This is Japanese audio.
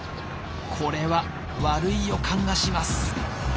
これは悪い予感がします。